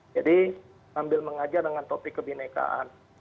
jadi sambil mengajar dengan topik kebinekaan